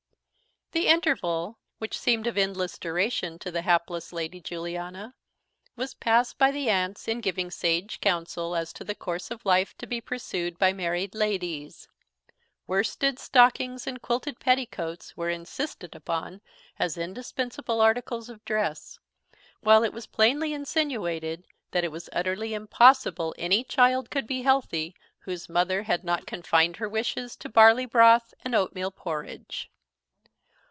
_ THE interval, which seemed of endless duration to the hapless Lady Juliana, was passed by the aunts in giving sage counsel as to the course of life to be pursued by married ladies. Worsted stockings and quilted petticoats were insisted upon as indispensable articles of dress; while it was plainly insinuated that it was utterly impossible any child could be healthy whose mother had not confined her wishes to barley broth and oatmeal porridge.